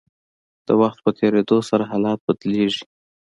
د وخت په تیریدو سره حالات بدلیږي.